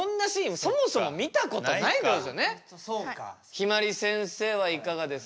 ひまりせんせいはいかがですか？